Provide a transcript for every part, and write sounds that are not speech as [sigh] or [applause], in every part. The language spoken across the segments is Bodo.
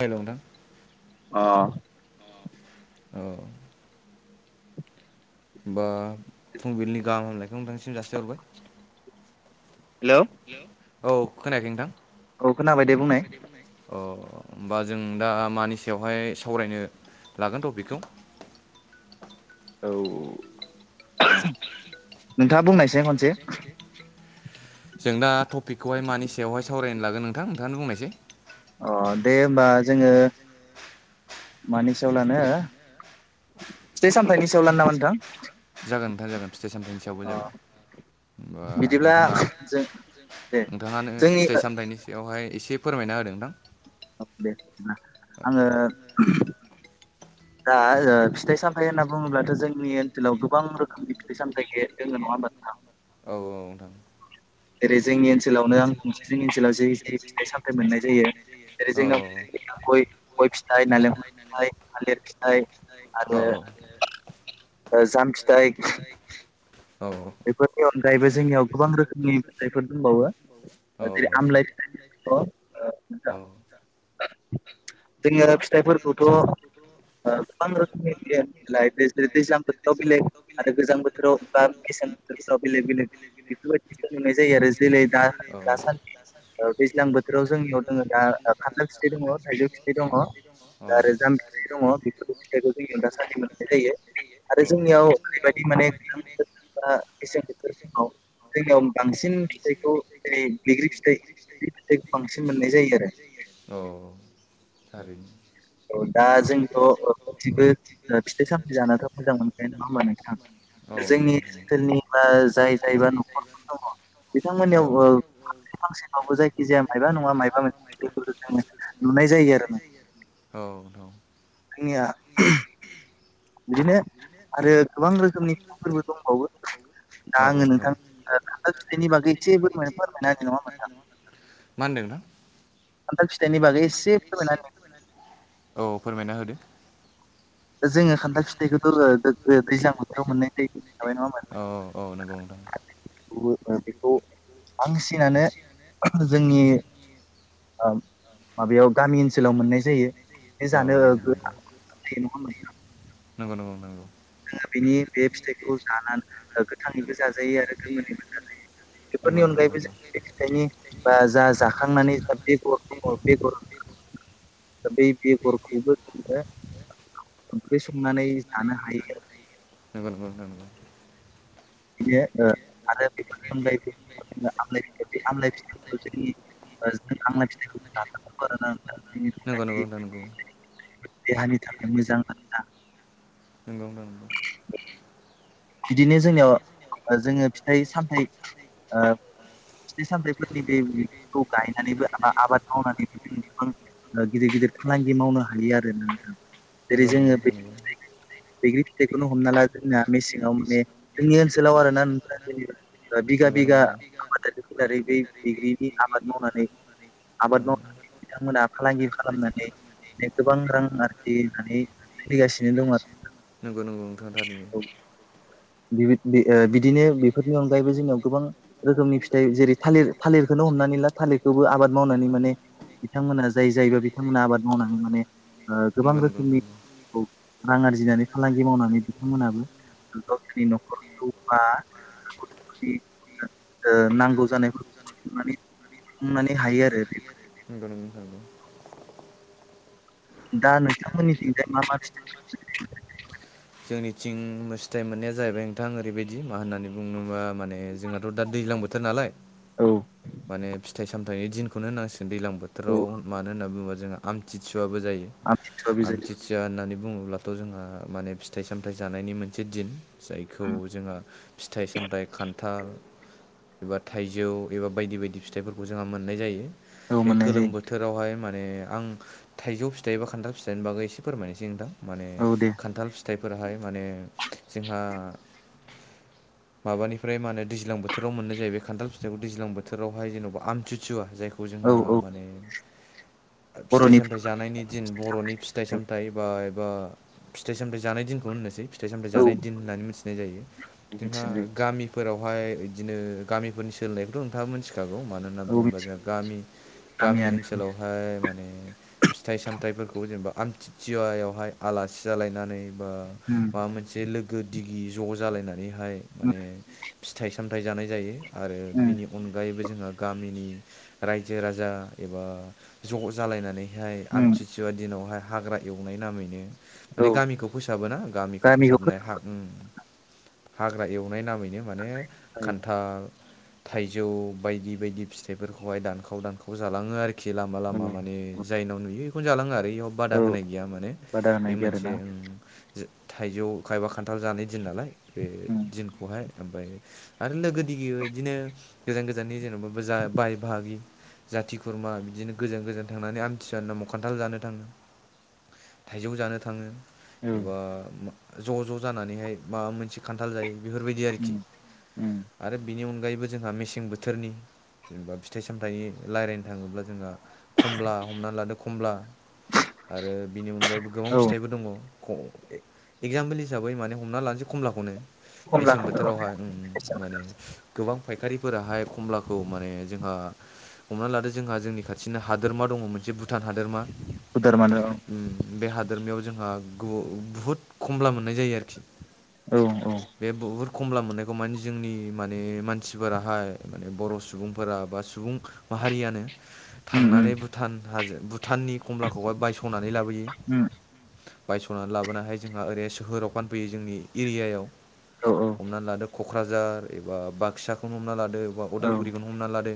हेल' नोंथां अ औ होमबा फुंबिलिनि गाहाम हामलायनायखौ नोंथांनिसिम जासिहरबाय। हेल' औ खोनायाखै नोंथां औ खोनाबाय दे बुंनाय अ होमबा जों दा मानि सायावहाय सावरायनो लागोन ट'पिकखौ? औ नोंथाङा बुंनायसाय खनसे। जों दा टपिकखौहाय मानि सायावहाय सावरायनो लागोन नोंथां नोंथांआनो बुंनायसाय। अ दे होमबा जोङो मानि सायाव लानो फिथाइ सामथाइनि सायाव लानो नामा नोंथां? जागोन नोंथां जागोन फिथाइ सामथाइनि सायावबो जागोन। होमबा नोंथाङा नोंथाङानो फिथाइ सामथाइनि सायावहाय एसे फोरमायना होदों नोंथां। औ दे ना आङो दा ओ फिथाइ सामथाइ होनना बुङोब्लाथ' जोंनि ओनसोलाव गोबां रोखोमनि फिथाइ सामथाइ खो दोङो नङा होनबा? औ औ नोंथां। जेरै जोंनि ओनसोलावनो आं बुंंसै जोंनि ओनसोलाव जे जि फिथाइ सामथाइ मोननाय जायो। जेरै जोंनाव गय गय फिथाइ नारेंखल फिथाइ थालिर फिथाइ आरो- आरोे जाम फिथाइ, औ बेफोरनि अनगायैबो जोंनियाव गोबां रोखोमनि फिथाइफोर द‌ंबावो औ नोंथां। औ जोंनिया फिथाइफोरखौथ' गोबां रोखोमनि [inaudible] गोजां बोथोराव बेलेग आरो गोजां बोथोराव औ बा बेसे बेलेग बेलेग बेफोरबायदिखौ नुनाय जायो आरो औ दिनै दा दासान्दि दैज्लां बोथोराव जोंनियाव दोङो दा ओ खान्थाल फिथाइ दङ थाइजौ फिथाइ दङ दा आरो जाम फिथाइ दङ। दङ बेफोर फिथाइखौ जोंनियाव दासानदि मोननाय जायो आरो जोंनियाव ओरैबायदि माने [unintelligible] [unintelligible] जोंनियाव बांसिन फिथाइखौ जेरै बैग्रि फिथाइ बे फिथाइखौ बांसिन मोननाय जायो आरो। औ थारैनो। औ दा जोंथ' गासिबो फिथाइ सामथाइ जानाथ' मोजां मोनखायो नङा होमबा नोंथां? औ नों सोरनिबा जाय जायबा न'खरफोर दङ बिथांमोननियाव ओ फांसेबाबो जायखि जाया मायबा नङा मायबा बेफोरखौ जोङो नुनाय जायो आरो नों औ। जोंनिया बिदिनो आरो गोबां रोखोमनि बिफोरबो दङ। बावो दा आङो नोंथां ओ खान्थाल फिथाइनि बागै ऐसे फोरमायना होदो नङा होनबा नोंथां मा होनदों नोंथां? खान्थाल फिथाइनि बागै ऐसे फोरमायना होनि औ फोरमायना होदो। जोङो खान्थाल फिथाइखौथ' दे-दे-दैज्लां बोथोराव मोननाय जायो। औ औ नंगौ नोंथां। ओ बेखौ आंसिनानो जोंनि ओ माबायाव गामि ओनसोलाव मोननाय जायो। बे जानो गो नङा होमबा नोंथां? नंगौ नंगौ नंगौ। जोङो बिनि बे फिथाइखौ जानानै ओ गोथाङैबो जाजायो आरो गोमोनैबो जाजायो। बेफोरनि अनगायैबो जों बेे फिथाइनि बा जा जाखांनानै जा बेगर दङ बेगर दा बै बेगरखौबो जोङ‌ो ओंख्रि संनानै जानो हायो। नंगौ नंगौ नोंथां नंगौ। बियो आमलाइ फिथाइ [unintelligible] आमला फिथाइखौ जानांगौ आरोना नोंथां। नंगौ नंगौ नोंथां नंगौ। देहानि थाखाय मोजां मानोना नंगौ नोंथां नंगौ। बिदिनो जोंनियाव जोङो फिथाइ सामथाइ ओ फिथाइ सामथाइफोरनि बेखौ गायनानैबो आ आबाद मावनानैनो गोबां ओ गिदिर गिदिर दिर फालांगि मावनो हायो आरो नोंथां। जेरै जोङो बैग्रि फिथाइखौनो हमना ला जोंना मेसें हम माने जोंनि ओनसोलाव आरोना नोंथा जोंनि बिगा बिगा आबादारिफोरा बे बैग्रिनि आबाद मावनानै आबाद मावनानै बिथांमोना फालांगि खालामनानै गोबां गोबां रां आरजियो। नंगौ नंगौ नोंथां थारैनो। बिबो बे ओ बिदिनो बेफोरनि अनगायैबो जोंनियाव गोबां रोखोमनि फिथाइ जेरै थालिर थालिरखौनो हमनानै ला थालिर। खौबो आबाद मावनानै माने बिथांमोना जाय जायोबा बिथांमोना आबाद मावनानै माने ओ गोबां रोखोमनि रां आरजिनानै फालांगि मावनानै बिथांमोनाबो गावसिनि न'खरखौबा न'खर फोरनि ओ नांगौ जानायफोरखौ खुंनानै हायो आरो बे [unintelligible] दा नोंथांमोननिथिंजाय मा मा फिथाइ [unintelligible] थिं मोसथाइ मोननाया जाहैबाय नोंथां ओरैबायदि मा होनना बुङोबा माने जोंहाथ' दा दैज्लां बोथोर नालाय माने फिथाइ सामथाइनि दिनखौनो होननांसि दैलां बोथोराव मानो होनना बुङोबा जोंहा आमथिसुवाबो जायो आमथिसुवा होननानै बु बुङोब्लाथ' जोंहा माने फिथाइ सामथाइ जानायनि मोनसे दिन। जायखौ जोंहा फिथाइ सामथायाइ खान थार एबा थाइजौ एबा बायदि बायदि फिथाइफोरखौ जोंहा मोननाय जायो। बे गोलोम बोथोरावहाय माने आं थाइजौ फि। थाइ बा खान्थाल फिथाइनि बागै एसे फोरमायनोसै नोंथां माने खान्थाल फिथाइफोराहाय माने। जोंहा। माबानिफ्राय मा होनो दैज्लां बोथोराव मोननो जायो बे खान्थाल फिथाइखौ दैज्लां बोथोरावहाय जेन'बा आमथिसुवा। जायखौ जोंहा माने। ओ फिथाइ सामथायाइ जानायनि दिन बर'नि फिथाइ सामथाइ बा। ओ एबा फिथाइ सामथथाय जानाय दिनखौनो होननोसै। फिथाइ सामथायाइ जानाय दिन होननानै मिथिनाय जायो जोंहा गामि। फोरावहाय बिदिनो गामिफोरनि सोलोंनायखौथ' नोंथाङा मोनथि। खागौ मानो होनना बुङोबा जों गामि गामि ओनसोलावहाय माने फिथाइ सामथाय। फिथाइफोरखौ जेनेबा आमथिथिसुवाहाय आलासि जालायनानै। बा माबा मोनसे लोगो दिगि ज' जालायनानैहाय माने। फिथाइ सामथायाइ जानाय जायो आरो बिनि अनगायैबो जोंहा। गामिनि रायजो राजा एबा ज' जालायनानैहाय आं। सोरबा दिनावहाय हाग्रा एवनाय नामैनो। माने गामिखौ फोसाबोना गामिखौ फोसाबनाय हा ओम। हाग्रा एवनाय नामैनो माने खान्थाल। थाइजौ बायदि बायदि फिथाइफोरखौहाय दानखाव दानखाव जालाङो आरोखि। खि लामा लामा माने जायनाव नुयो बेखौनो जालाङो आरो। बैयाव बादा होनाय गैया माने बे मोनसे ओम। जो थाइजौ खायबा खान्थाल जानाय दिन नालाय बे दिनखौहाय। ओमफाय आरो लोगो दिगि बिदिनो गोजान गोजाननि जेन'ब जा बाय बाहागि। जाथि खुरमा बिदिनो गोजान गोजान थांनानै आमथिसुवानि नामाव। खान्थाल जानो थाङो थाइजौ जानो थाङो ओ ज' ज' जानानैहाय माबा मोनसे खान्थाल जायो बेफोरबायदि आरोखि आरो बेनि उनग। अनगायैबो जोंहा मेसें बोथोरनि जेनेबा फिथाइ सामथाय रायज्लायनो थाङोब्ला जोंहा। खमला हमनानै लादो खमला आरो बिनि अनगायैबो गोबां फिथाइबो दङबावो ख ए एगजामपोल हिसाबै माने हमना लानोसै खमलाखौनो। मेसें बोथोरावहाय माने। गोबां फायखारिफोराहाय खमलाखौ माने जोंहा। हमना लादो जोंहा जोंनि खाथिनो हादोरमा दङ मोनसे भुटान हादोरमा। खुदार मानो। बे हादोरमायाव जोंहा गु बुहुद खमला मोननाय जायो आरोखि। औ औ। खमला मोननायखौ मानि जोंनि माने मानसिफोराहाय माने बर' सुबुंफोरा बा सुबुं। माहारियानो थांनानै भुटान हाजो भु। भुटाननि खमलाखौहाय बायस'नानै लाबोयो बायस'नानै लाबोनानैहाय जोंहा ओरैनो सोहोराव फानफैयो जोंनि एरियायाव हमनानै लादो क'क्राझार एबा बाक्साखौ हमना लादों ओ अदालगुरिखोवनो हमना लादो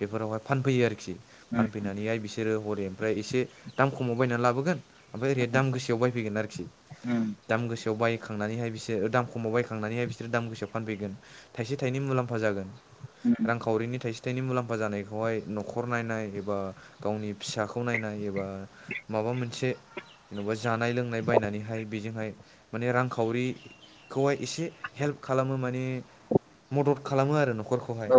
बेफोरावनो फानफोयो आरो खि फानफोयनानोयहाय जेरो हरे ओमफ्राय एसे दाम खमाव बायनानै लाबोगोन ओमफ्राय ओरैाय दाम गोसायाव बायफैगोन आरोखि दाम गोसायाव बाय बखांनानैहाय बिसोरो दाम खमाव बायखांनानैहाय बिसोरो दाम गोसयाव फानफैगोन थाइसे थाइनैुमुलामफा जागोन रांखावरिनि थाइसे थाइनै मुलाम्फा जानायखौहाय न'खर नायनाय एबा गावनि फिसाखौ नायनाय एबा माबा मोनसे जेनेबा जानाय लोंनाय बायनानैहाय बेजोंहाय माने रांखावरिखौहाय एसे हेल्प खालामो माने मदद खालामो आरो न न'खरखौहाय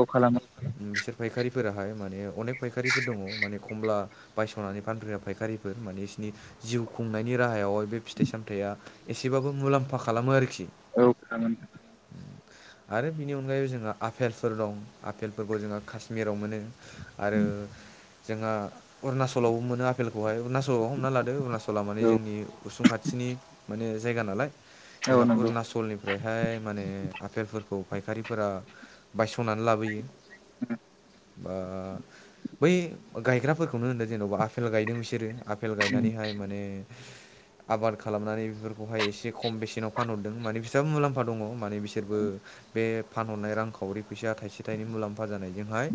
बिसोर फायखारिफोराहाय माने अनेक फायखारिफोर दङ माने खमला बायस'नानै फानफैग्रारा फायखारिफोर माने बिसिनि जिउ खुंनायनि राहायावहाय बे फिथाइ सामथायाइया एसेबाबो मुलाम्फा खालामो आरोखि। औ खालामो। आरो बिनि अनगायैबो जोंहा आफेलफोर दं आफेलफोरखौ जोंहा काश्मिराव मोनो। आरो जोंहा अरुनाचलावबो मोनो आफेलखौहाय। अरुणचलाव हमना लादो अरुणचला माने जोंनि उसुं खाथिनि माने जायगा नालाय। जोंहा अरुणचलनिफ्रायहाय माने आफेलफोर खौ फायखारिफोरा बायस'नानै लाबोयो। ओ बै गायग्राफोरखौनो होनदों जेन'बा आफेल गायदों बिसोरो आफेल गायनानैहाय माने आबाद खालामनानै बेफोरखौहाय एसे खम बेसेनाव फानहरदों माने बिसेबां मुलाम्फा दङ माने बिसोरबो बे फानहरनाय रांखावरि फैसााया थाइसे थाइनै मुलाम्फा जानाय जोंहाय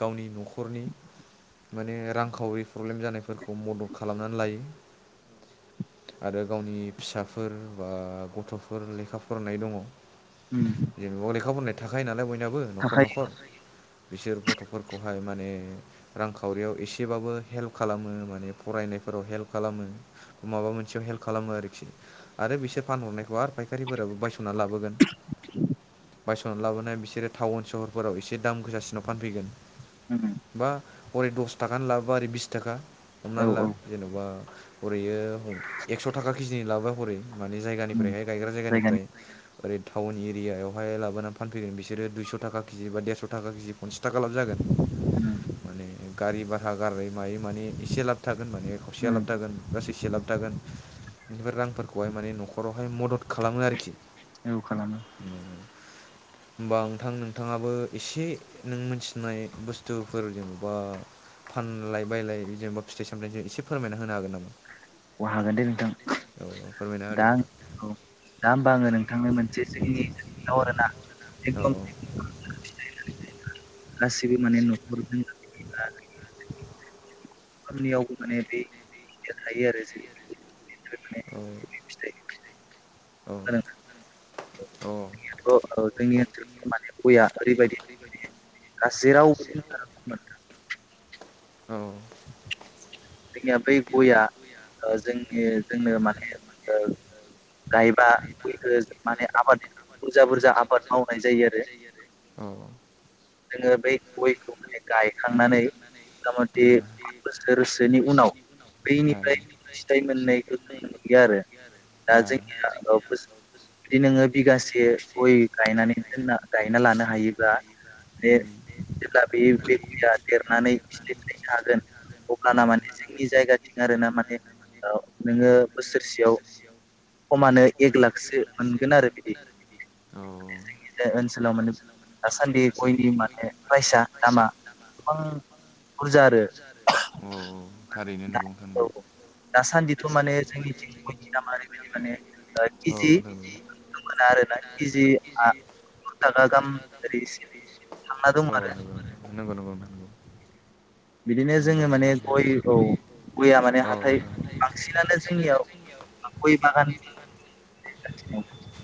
गावनि न'खरनि माने रांखावरि प्रब्लेम जानायफोरखौ मदद खालामनानै लायो। औ आरो गावनि फिसाफोर बा गथ'फोर लेखा फरायनाय दङ जेनेबा लेखा फरायनाय थाखायो नालाय बयनाबो न'खर न'खर। बिसोर गथ'फोरखौहाय माने रांखावरियाव एसेबाबो हेल्प खालामो माने फरायनायफोराव हेल्प खालामो माबा मोनसेयाव हेल्प खालामो आरोखि आरो बिसोर फानहरनायखौ आरो फायखारिफोराबो बायस'नानै लाबोगोन बायस'नानै लाबोनाया बिसोरो टाउन सहरफोराव एसे दाम गोसासिनाव फानफैगोन। उम हरै दस थाखानि लाबोबा ओरै बिस थाखा हमनानै ला जेन'बा हरैयो एकस' थाखा केजिनि लाबा हरै मानि जायगानिफ्रायहाय गायग्रा जायगानिफ्राय ओरै टाउन एरियायावहाय लाबोना फानैगोन बिोरो दुइस' थाखा केजि बाेरस' थाखा केजि पनसास थाखा लाभ जागोन। उम माने गारि भारा गारै मायो माने एसे लाब थागोन माने खावसेया लाब थागोन गासैसे लाब थागोन बेफोर रांफोरखौहाय माने न'खरावहाय मदद खालामो आरोखि। औ खालामो। होमबा नोंथां नोंथाङाबो एसे नों मोनथिनाय बुस्थुफोरजों बा फानलाय बायलाय जेनेबा फिथाइ सामथायाइ एसे फोरमायना होनो हागोन नामा? अ हागोन दे नोंथां। दा आं दा होमबा आङो नोंथांनो मोनसे जोंनि नोंनाव आरोना औ गासिबो माने न'खर [unintelligible] आंनियावबो माने बे थायो आरो जे औ औ औ औ जोंनि ओनसोलाव माने गया ओरैबायदि माने दा जेराव [unintelligible] औ जोंनिया बै गयआ ओ जोंनि जोंनो माने ओ गायबा गयखौ माने आबाद बुरजा बुरजा आबाद मावनाय जायो आरो अ जोङो बै गयखौ माने गायखांनानै मथा मथि बोसोरसे से उनाव बैनिफ्राय फिथाइ मोननायखौ जों नुयो आरो। दा जोंनिया औ बिदि नोङो बिगासे गय गायनानै दोनना गायना लानो हायोबा बे जेब्ला बे [unintelligible] देरनानैनानै फिथाइ थायनो हागोन अ ब्लाना माने जोंनि जायगाथिं आरोना माने औ नोङो बोसोरसेयाव खमानो एक लाखसो मोनगोन आरो बिदि अ बे ओनसोलाव माने दासान्दि गयनि माने प्राइसा दामा गोबां बुरजा आरो। थारैनो नोंगौ नोंथां नंगौ। दासान्दिथ' माने जोंनिथिं ओरैबायदि माने औ नोंथां नंगौ मोना आरोना केजि आ अ नगौ नंगौ नंगौ। बिदिनो जोङो माने गय औ गया माने हाथाय बांसिनानो जोंनियाव गय बागान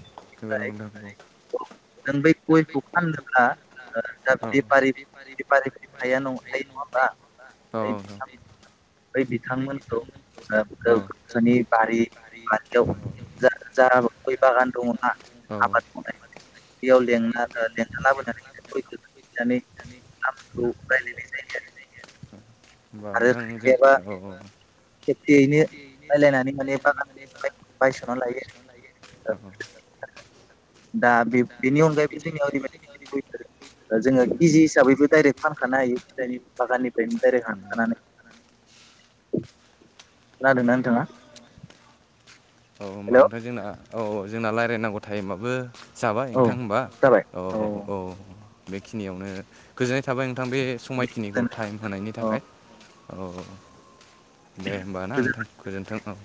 [unintelligible] नों बै गयखौ फाननोब्ला दा बेफारि बेफारिफोर थाया [unintelligible] अ अ औ बै बिथांमोनखौ ओ गोसोनि बारि बारियाव जा जा गय बागान दङना आबाद मावनाय बेयाव लेंना लेंना लाबोनानै [unintelligible] [unintelligible] होमब्ला नोंथां जों अ [unintelligible] दा बे बेनि अनगायैबो जोंनियाव ओरैबादि दा जोङो केजि हिसाबैबो डाइरेक्ट फानखानो हायो फिथाइ बागाननिफ्रायनो दायरेक हानखानानै। खोनादों ना नोंथाङा? औ होमबा नोंथां जोंना औ औ जोंना रायज्लायनांगौ टाइमाबो जाबाय नोंथां होनबा औ औ बेखिनियावनो गोजोननाय थाबाय नों थां बे समायखिनिखौ टाइम होनायनि थाखाय औ दे होमबा ना नोंथां गोजोन्थों औ।